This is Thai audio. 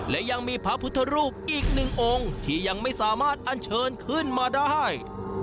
และยังมีพระพุทธรูปอีกหนึ่งองค์ที่ยังไม่สามารถอันเชิญขึ้นมาได้